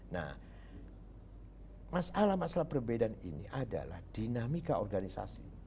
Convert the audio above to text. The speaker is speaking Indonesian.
nah masalah masalah perbedaan ini adalah dinamika organisasi